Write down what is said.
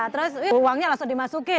terus uangnya langsung dimasukin